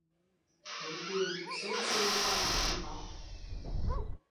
Thấy chuyện, tui chừ còn ớn ót